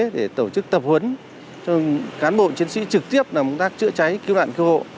để tổ chức tập huấn cho cán bộ chiến sĩ trực tiếp làm công tác chữa cháy cứu nạn cứu hộ